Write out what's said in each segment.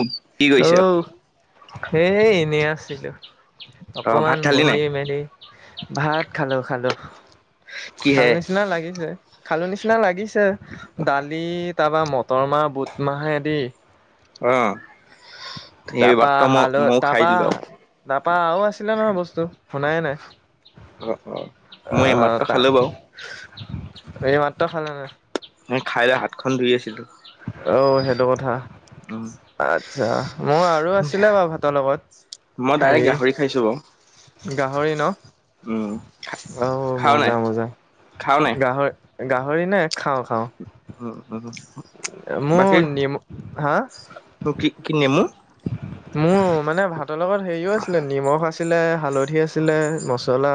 উ, কি কৰিছ? অঔ সেই এনেই আছিলো, অ অকমান ভাত খালি বহি নাই? মেলি। ভাত খালো খালো, খাল কিহে? নিচিনা লাগিছে, খালো নিচিনা লাগিছে। [unintelligible] দালি তাৰপা মটৰ মাহ বুট মাহেদি অ'। সেই তাপা মাত্ৰ মই হাল, ময়ো খাই তাপা দিলো আৰু। তাপা আও আছিলে নহয় বস্তু শুনাই নাই। অ', অ', মই আহ এইমাত্ৰ ত খালো বাৰু। ত খাল নে? মই খাই লৈ হাতখন ধুই আছিলো। অ', সেইটো কথা। উম আচ্ছা, মই আৰু আছিলে বাৰু ভাতৰ লগত। মই হেৰি ডাইৰেক্ট গাহৰি খাইছো বাৰু। গাহৰি ন'? উম অ', খাৱ নাই? মজা মজা, খাৱ নাই? গাহৰি গাহৰি নে খাওঁ খাওঁ? উম উম বাকী [unintelligible] হা। কি কি নেমু? মোৰো মানে ভাতৰ লগত হেৰিও আছিলে, নিমখ আছিলে। হালধি আছিলে, মচলা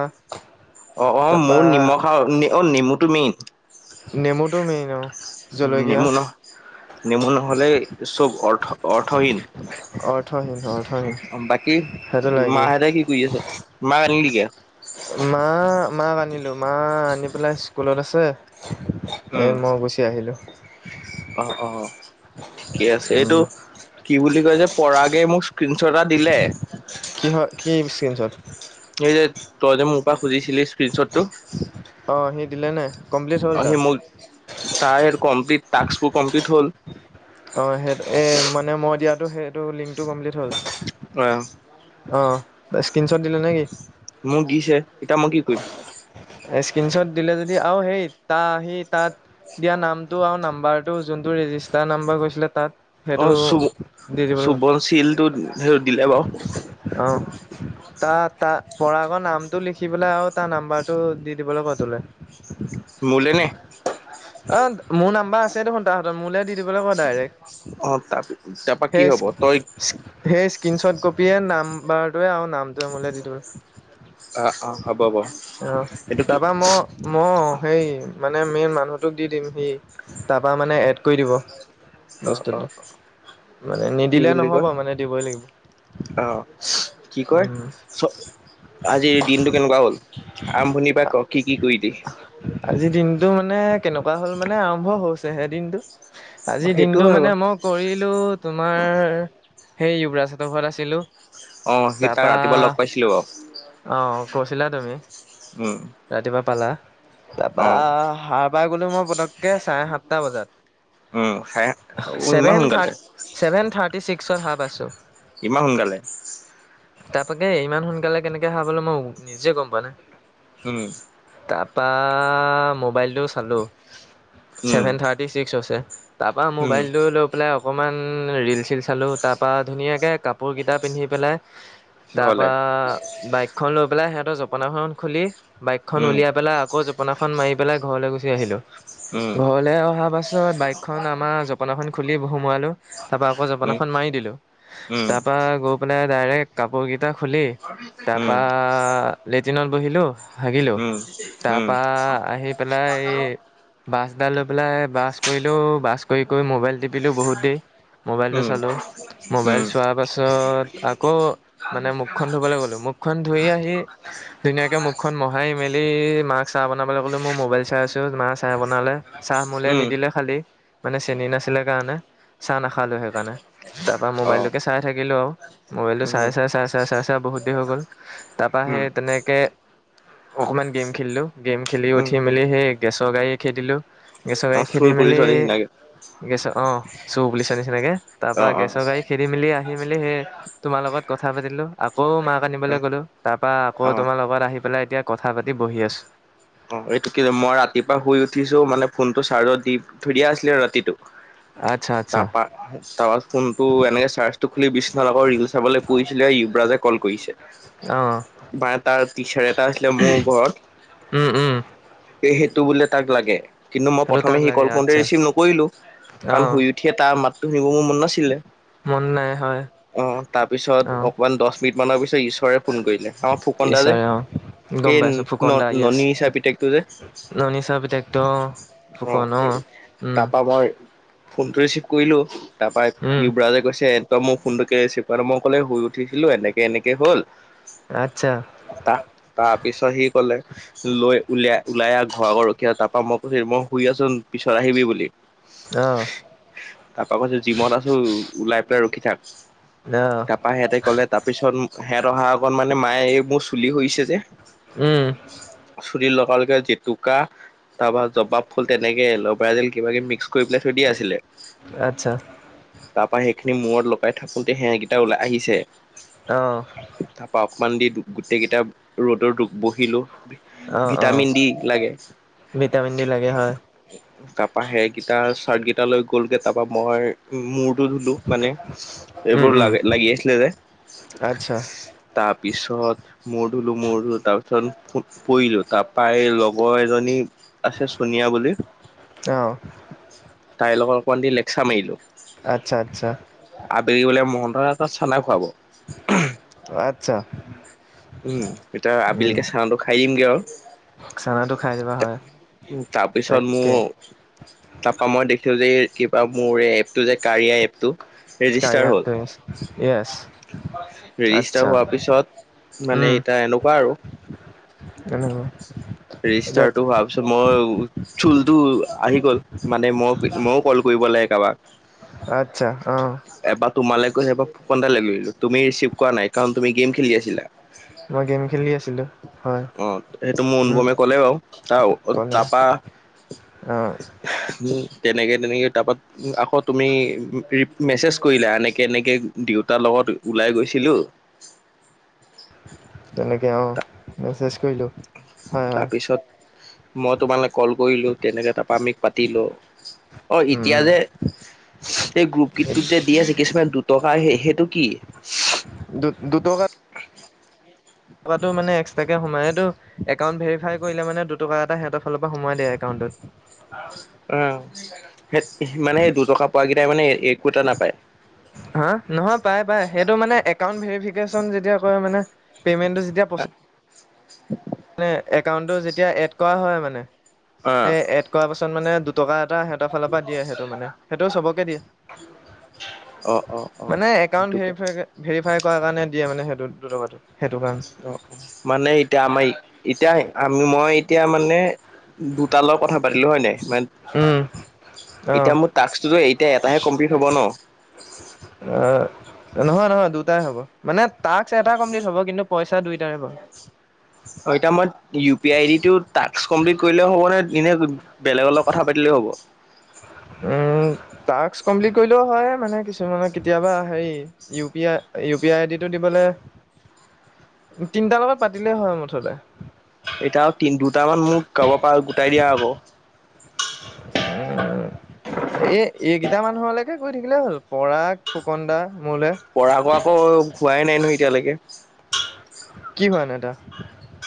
অ', অ', মোৰ নিমখ আৰু অ', নেমুটো মেইন। নেমুটো মেইন অ'। নেমুনা, নেমুনা হলে চব অৰ্থ-অৰ্থহীন। অৰ্থহীন অৰ্থহীন বাকী সেইটো লাগে মাহেঁতে কি কৰি আছে? মাক আনিলিগে? মা, মাক আনিলো। মা আনি পেলাই স্কুলত আছে। এ উম মই গুচি আহিলো। অ', অ', ঠিকেই আছে, এইটো উম কি বুলি কয় যে পৰাগে মোৰ [unintelligible] এটা দিলে। কি হয় [unintelligible] এই যে, তই যে মোৰ পৰা খুজিছিলি স্ক্ৰীনশ্বত। অ সি দিলে [unintelligible] নে কমপ্লিট হ'ল অ', সি তাৰ মোক, তাৰ [unintelligible] কমপ্লিট টাস্কবোৰ কমপ্লিট হল। অ সেই এই মানে মই দিয়াটো সেইটো লিংকটো কমপ্লিট হল। আহ। অ স্ক্ৰীনশ্বট দিলে নে কি? মোক দিছে, এতিয়া মই কি কৰিম? এই স্ক্ৰীনশ্বট দিলে যদি আৰু হেৰি তা আহি তাত দিয়া নামটো আৰু নাম্বাৰটো জোনটো ৰেজিষ্টাৰ নাম্বাৰ গৈছিলে তাত সেইটো অ', দি দিবলৈ ক চু-চুবঞ্চিলটোত সেইটো দিলে বাৰু। অ', তা-তা পৰাগৰ নামটো লিখি পেলাই আৰু তাৰ নম্বৰটো দি দিবলৈ ক তোলে। মোলৈ নে অ' মোৰ নম্বৰ আছেতো তাৰ হাতত মোলৈ দি দিবলৈ ক অ তাৰ তাৰপা কি ডাইৰেক্ট হ'ব তই [unintelligible] স্ক্ৰীন শ্বট কপিয়ে নম্বৰটোৱে আৰু নামটোৱে মো দি থবি। অ', অ', অ'। [unintelligible] তোক দি দিম সি তা পা মানে এড কৰি দিব। অ', বস্তুটো অ', অ' মানে কি নিদিলে বুলি নহ'ব কয়। মানে দিবই লাগিব আহ কি কয় উম আজিৰ দিনটো কেনেকুৱা হল আৰম্ভণিৰ পৰা ক কি কি কৰিলি? টো মানে কেনেকুৱা হ'ল মানে আৰম্ভ হৈছেহে দিনটো আজিৰ সেইটো দিনটো হয় মানে বাৰু মই কৰিলো তোমাৰ সেই ইবৰাজহতৰ ঘৰত আছিলো অ সি তাক তাৰপা ৰাতিপুৱা লগ পাইছিলো বাৰু আহ কৈছিলা তুমি উম ৰাতিপুৱা পালা তপা অ', পাই গ'লো মই পটককে চাৰে সাতটা উম, খাই অ', বজাত ইমান সোনকালে চেভেন থাৰটি ছিক্সত সাৰ পাইছোঁ। ইমান সোনকালে তাকেই ইমান সোনকালে কেনেকৈ সাৰ পালোঁ মই নিজে গম পোৱা নাই। উম তাৰপৰা মোবাইলটো চালোঁ উম, ছেভেন থাৰ্টি ছিক্স হৈছে। তাৰ পৰা উম, মোবাইলটো লৈ পেলাই অকণমান ৰিল চীল চালোঁ তাৰপৰা ধুনীয়াকৈ কাপোৰকেইটা পিন্ধি পেলাই তাৰ ঘৰলে পৰা বাইকখন লৈ পেলাই সিহঁতৰ জপনাখন খুলি বাইকখন উম, উলিয়াই পেলাই আকৌ জপনাখন মাৰি পেলাই ঘৰলৈ গুচি আহিলো উম, ঘৰলৈ অহা পাছত বাইকখন আমাৰ জপনাখন খুলি সোমোৱালো, তাৰ পৰা আকৌ উম, জপনাখন মাৰি দিলো। উম, উম, উম, তাৰ পৰা গৈ পাই ডাইৰেক্ট কাপোৰ কেইটা খুলি তাৰপা উম, লেট্ৰিনত বহিলো। হাগিলোঁ উম, উম, উম, তাৰপৰা আহি পেলাই এই বাছ এডাল লৈ পেলাই বাছ কৰিলো বাছ কৰি কৰি মোবাইল টিপিলো বহুত দেৰি। মবাইলতটো চালো মবাইল চোৱাৰ পাছত আকৌ মানে মুখখন ধুবলৈ গ'লো। মুখ খন ধুই আহি ধুনীয়াকৈ মুখখন মোহাৰি মেলি মাক চাহ বনাবলৈ ক'লো, মই মবাইল চাই আছোঁ। মায়ে চাহ বনালে চাহ মোলৈ নিদিলে খালি মানে চেনী নাছিলে কাৰণে চাহ না খালোঁ সেইকাৰণে তাৰপৰা অ', মোবাইলটোকে চাই থাকিলোঁ আৰু মোবাইল টো উম, চাই, চাই, চাই, চাই, চাই, চাই বহুত দেৰি হৈ গ'ল তাৰ পৰা সেই উম, তেনেকে অকনমান গেম খেলিলো গেম খেলি উম, উঠি মেলি সেই গেছৰ [unintelligible] দিলো গেচ গাড়ি অ', চুই খেদি পৰিছ মেলি নিচিনাকে গেছৰ অ চু বুলিুলিছা নিচিনাকে তাৰ পৰাা অ', অ', গেছৰ গাড়ী খেদি মেলি আহি মেলি সেই তোমাৰ লগত ক কথা পাতিলো আকৌ মাক আনিবলৈ গ'লো তাৰ পৰাা আকৌ অ', তোমাৰ লগত আহি পেলাই এতিয়া কথা পাতি বহি আছো অ এইটো কি মই ৰাতিপুৱা শুই উঠিছো মানে ফোনটো চাৰ্জত দি থৈ দিয়া আছিলে আৰু ৰাতিটো আ তাৰপা তাৰপা ফোন টো এনেকে চাৰ্জটো খুলি বিচনাথ আকৌ ৰিল চাবলৈ পছিলে ইয়ৱৰাজে কল অঁ কৰিছে মে তাৰ টিচাৰ এটা আছিলে মোৰ উম ঘৰত উম সেইটো বোলে তাক লাগে কিন্তু মই সেইটো প্ৰথমে তাক সি লাগে কল কৰওঁতে আচ্ছা ৰিচিভ নকৰিলো কাৰণ অঁ শুই উঠিয়ে তাৰ মাতটো শুনিব মোৰ মন নাছিলে মন নাই হয় অ তাৰপিছত অঁ অকমান দহ মিনিট মানৰ পিছত ঈশ্বৰে ফোন কৰিলে আমাৰ ফুকনা যে ঈশ্বৰে অঁ গম এই পাইছোঁ ন ফুকন দা য়েছ ননী হিচাপে [unintelligible] যে ননী চাৰ পিতেকটো অঁ অ' ফুকন অঁ উম তাৰাপা মই ফোন টো ৰিচিভ কৰিলো তাৰপা উম ইউবৰাজে কৈছে তই মোৰ ফোনটোকে ৰিচিভ কৰা নাই কলে শুই উঠিছিলো এনেকে এনেকে হ'ল। আচ্ছা ত তাৰ পিছত সি কলে লৈ উলিয়াই লাই আহ ঘৰ আগত ৰখি তাৰ পৰাা মই কৈছ মই শুই আছোন পিছত আহিবি বুলি। আহ। তাৰপা কৈছো জিমত আছো ওলাই পেলাই ৰখি থাক। অ', তাৰাপা সেহঁতে ক'লে তাৰপিছত সেহত অহা আগত মানে মায়ে এই মোৰ চুলি হৈছে যে। উম। চুলি লগাল লগে জেতুকা তাৰপৰা জবাব ফুল তেনেকে লবাই দিল কিবা কিবি মিক্স পেলাই থৈ দিয়া আছিলে। আচ্ছা ত সেইখিনি মূৰত লগাই থাকোতে সেকেইটা ওলাই আহিছে। আহ। মান দি গোটেই কেইটা ৰ'দত বহিলো। অ', অ', ভিটামিন দি লাগে। ভিটামিন ডি লাগে হয়। সেৰ চাৰ্ট কেইটা লৈ গ'লগে তাৰপা মই মোৰ টো ধুলো মানে উম, এইবোৰ উম, লাগ লাগি আছিলে যে। আচ্ছা পিছত মূৰ ধলো মূৰ ধলো তাৰ পিছত পৰিলো। তাৰাপৰা লগৰ এজনী আছে চনিয়া বুলি অ', তাইৰ লগত অকমান দি লেকচা মাৰিলো। আচ্ছা, আচ্ছা, আবেলি বোলে মহন্ত তই এ তাত চানা খুৱাব। আত্ছা। উম এতিয়া উম, আবিলিকে চাহটো খাই দিমগে আৰু। চানাটো খাই দিবা হয় তাৰপিছত তাকে মোৰ তাৰপা মই দেখছো যে। কিবা মোৰ এপটো যে কাৰিয়া এপ টো। ৰেজিষ্টাৰ কাৰিয়া হল এপটোৱে য়েছ ৰেজিষ্টাৰ আচ্ছা হোৱাৰ পিছত মানে উম, ইতয়া এনেকুৱা আৰু। উম। ৰেজিষ্টাৰ হোৱাৰ পিছত মই চুলটো আহি গল মানে মই মই কল কৰিবলৈ কাৰোবাক। আচ্ছা আহ। এবাৰ তোমালৈ কৈ সেই ফোন এটা লাগ গলো তুমি ৰিচিভ কৰা নাই কাৰণ তুমি গেম খেলি আছিলা। [unintelligible] মই গেম খেলি আছিলোঁ হয় অ সেইটো মোৰ অনুপমে ক'লে বাৰু তাৰ ক'লে। আহ। উম তেনেকে তেনেকে তাৰপৰা আকৌ তুমি মেছেজ কৰিলা এনেকে এনেকে দেউতাৰ লগত ওলাই গৈছিল। খিলো। উ [unintelligible] তেনেকে অ মেছেজ কৰিলো। তাৰপিছত মই তোমালৈ কল কৰিলো তেনেকে তাৰাপ আমিক পাতিলো অ উম, এতিয়া উম, যে এইেই গ্ৰুপ গীতটোত যে দি আছে কিছুমান দুটকা সেইটো কি? দু দুটকা উ [unintelligible] টকাটো মানে এক্সট্ৰাকে সোমাই একাউণ্ট ভেৰিফাই কৰিলে মানে দুটকা এটা সিহতৰ ফালৰ পৰাোাই দিয় একাউটত। অ সেই মানে দুটকা পোৱাকেইটাই মানে একোটা নাপায়। হ নহয় পাই পাই সেইটো মানে এউ ভেৰিফিকেচন মানে যেতিয়া কয় মানে পে'মেণ্টো যেতিয়া প্ৰেছ উ [unintelligible] মানে একাউণ্টটো যেতিয়া এড কৰা হয় মানে অ', সেই এড কৰা পাছত পিছত মানে দুটকা এটা সহতৰ ফালৰ পৰা দিয়ে সেইটো মানে সেইটো চবকে দিয়ে। অ', অ', অ', মানে একাউন্ট সেইটো কথা ভেৰিফাই ভেৰিফাই কৰা কাৰণে দিয়ে মানে সেইটো দুটকাটো সেইটো কাৰণে। অ মানে এতিয়া আমাৰ এতিয়া আমি মই এতিয়া মানে দুটা লগত কথা পাতিলো হয়নে মানে উম এতিয়া মোৰ টাস্কটোতো এতিয়া এটাহে কমপ্লিট হব ন? আহ নহয় নহয় দুটাই হ'ব, মানে টাস্ক এটাই কমপ্লিট হব কিন্তু পইচা দুইটাৰে পাবি। অ এতিয়া মই ইউ পি আই দি তোৰ তাস্ক কম্প্লিত কৰিলেও হ'ব নে ইনে বেলেগৰ লগত কথা পাতিলেও হ'ব? উম টাস্ক কম্প্লীত কৰিলেও হয় মানে কিছুমানত কেতিয়াবা হেৰি U P I, U P I আইদিটো দিব লে তিনটা লগত পাতিলেই হয় মুঠতে। এতিয়া তিনি দুটামান মোক গাব পাৰ গোটাই দিয়া আক। এই এইকেইটা মানুহৰলেকে কৰি থাকিলেই হ'ল পৰাগ, ফুকন দা। মোলে। পৰাগৰ আকৌ হোৱাই নাই নহয় এতিয়ালৈকে। কি হোৱানাই তাৰ?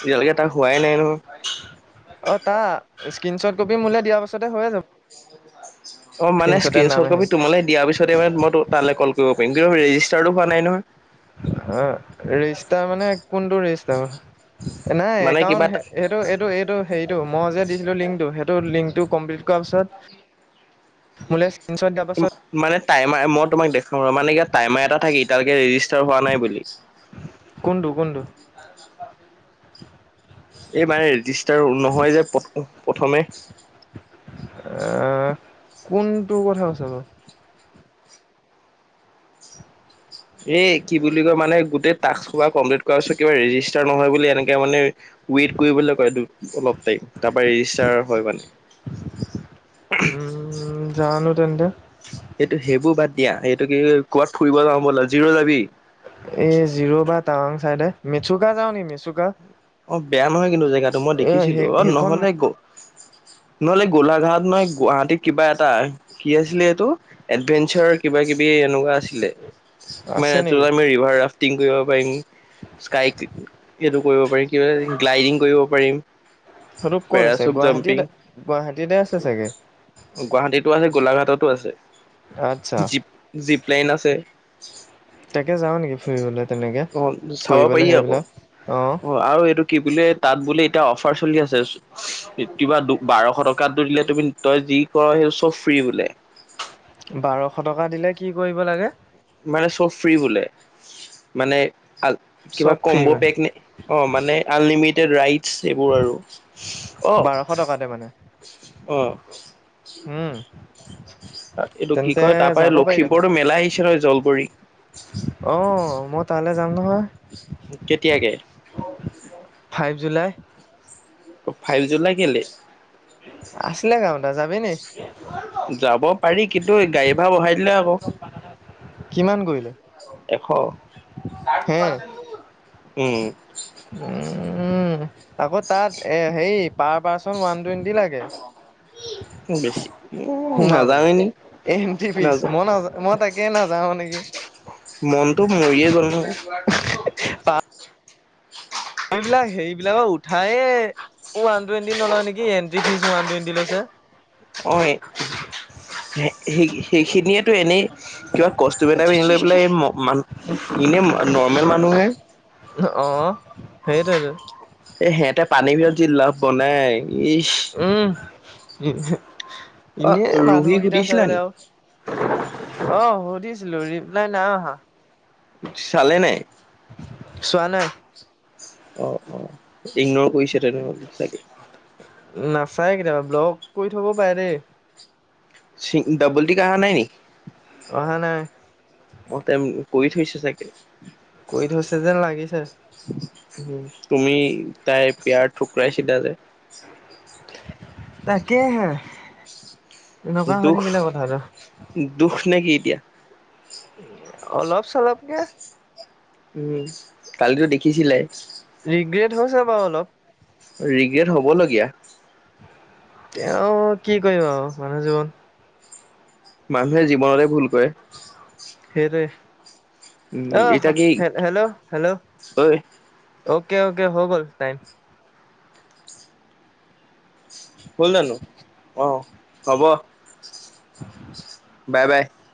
এতিয়ালৈকে তাৰ হোৱাই নাই নহয়। স্কিনচৰ্ট কপি মোলে দিয়াৰ পাছতে হৈয়ে যাব। অ মানে স্ক্ৰীনশ্বটে নাম স্ক্ৰীনচত আহি কপি তোমালে দিয়াৰ পিছতে মানে মই তালে ক'ল কৰিব পাৰিম কিন্তু ৰেজিষ্টাৰটো হোৱা নাই নহয়। অ ৰেজিষ্টাৰ মানে কোনটো ৰেজিষ্টাৰ নাই মানে কিবা একাউণ্ট এটা সেইটো এইটো এইটো হেৰিটো মই যে দিছিলো লিংকটো সেইটো লিংক টো কমপ্লিট কৰা পিছত মোলে স্ক্ৰীনশ্বট দিয়াৰ পাছত মানে টাইমাৰ মই তোমাক দেখুৱাম ৰ মানে ইয়াত টাইমাৰ এটা থাকে ইতা ৰেজিষ্টাৰ হোৱা নাই বুলি। কোনটো কোনটো এই মানে ৰেজিষ্টাৰ নহয় যে প্ৰ প্ৰথমে। আ কোনটো কথা কৈছা বাৰু? এ কি বুলি কয় মানে গোটেই টাস্কসোপা কমপ্লিট কৰাৰ কিবা ৰেজিষ্টাৰ নহয় বুলি এনেকে মানে ৱেইট কৰিবলে কয় এইটো তাৰপৰা ৰেজিষ্টাৰ হয় মানে। উম--জানো তেন্তে। এইটো সেইবোৰ বাদ দিয়া এইটো কি ক'বাত ফুৰিব যাওঁ বলা জি'ৰ যাবি? এই জিৰ বা টাৱাং চাইডে মেচুকা যাও নি মেচুকা? অ বেয়া নহয় কিন্তু জেগাটো মই এ দেখিছিলো সেই অ সেইখন নহলে গ নহ'লে গোলাঘাট নহয় গুৱাহাটীত কিবা এটা কি আছিলে এইটো এডভেঞ্চাৰ কিবা কিবি এনেকুৱা আছিলে। মানে আছে তাত নেকি আমি ৰিভাৰ ৰাফটিং কৰিব পাৰিম, স্কাই এইটো কৰিব পাৰিম, কিবা গ্লাইডিং কৰিব পাৰিম সেইটো ক'ত আছে পেৰাছুট গুৱাহাটীত জাম্পিং গুৱাহাটীতে আছে চাগে গুৱাহাটীতো আছে, গোলাঘাটত টো আছে আচ্ছা জি জিপ লাইন আছে। তাকে যাওঁ নিকি ফুৰিবলে? অ যাব পাৰি আক অ অ' আৰু এইটো কি বোলে তাত বোলে এতিয়া অফাৰ চলি আছে কিবা বাৰশ টকাটো দিলে তুমি তই যি কৰ সেই চব ফ্ৰী বোলে। বাৰশ টকা দিলে কি কৰিব লাগে? মানে চব ফ্ৰী বোলে মানে আ কিবা চব ফ্ৰী কম্ব মানে পেক নে অ মানে আনলিমিটেড ৰাইটছ এইবোৰ আৰু। বাৰশ টকাতে মানে অ অ। উম, এইটো কি তেন্তে কয় তাৰপৰা যাব পাৰি দেখোন লখিমপুৰতো মেলা আহিছে নহয় জলপৰী। অ মই তালে যাম নহয়। কেতিয়াকে? Five July. ফাইভ জুলাই কেলে? আছিলে গাঁৱত আৰু যাবি নি যাব পাৰি কিন্তু গাড়ী ভাড়া বঢ়াই দিলে আকৌ। কিমান কৰিলে এশ হে উম। উম আকৌ তাত এ হেৰি পাৰ। পাৰ্চন ওৱান টুৱেন্টি লাগে। বেছি উম নাযাওৱে সোমাবলৈ নি এণ্ট্ৰি ফিজ মই নাযা মই তাকে নাযাও নেকি। মনটো মৰিয়ে গ'ল ন। [unintelligible] বলাক হেৰিবিলাকক উঠায়েই ওৱান টুৱেন্টি নলয় নেকি এণ্ট্ৰি ফিজ ওৱান টুৱেন্টি লৈছে। অ টো এনেই কিবা কষ্টিউম এটা পিন্ধি লৈ পেলাই এই [unintelligible] ইনে নৰ্মেল মানুহ হে অ' সেইটোৱেইটো। এ সিহঁতে পানী বিলত যি [unintelligible] ইচ উম। অ এনে ৰুহি মানুহ কেইটা সুধিছিলা চাবলে নি আৰু অ'। সুধিছিলো ৰিপলাই নাই অহা। চালে নাই। চোৱা নাই। অ', অ' ইগনৰ কৰিছে তেনেহলে চাগে। নাচাই কেতিয়াবা ব্লক কৰি থব পাৰে দেই। চিন ডবল টিক আহা নাই নেকি। অহা নাই। তাই কৰি থৈছে চাগে। কৰি থৈছে যেন লাগিছে। তুমি তাই পিয়াৰ ঠুকৰাইছিলা যে। তাকে হে এনেকুৱা হয় দুখ থাকিলে কথাটো। [unintelligible] য়া অলপ চলপকে উম। কালিতো দেখিছিলাই ৰিগ্ৰেট হৈছে বাৰু অলপ ৰিগ্ৰেট হ'ব। [unintelligible] বলগীয়া তেওঁ কি কৰিবা আৰু মানুহ জীৱন। মানুহে জীৱনতে ভুল কৰে। উম সেইটোৱে অ' এতিয়া কি হেল্ল' হেল্ল'। ঐ অকে অকে হৈ গল টাইম। হ'ল জানো অ' হ'ব। Bye bye.